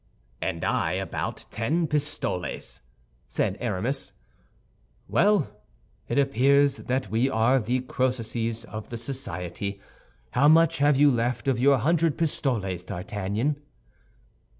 "And I about ten pistoles," said Aramis. "Well, then it appears that we are the Crœsuses of the society. How much have you left of your hundred pistoles, D'Artagnan?"